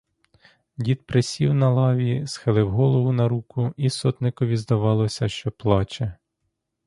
Дід присів на лаві, схилив голову на руку, і сотникові здавалося, що плаче.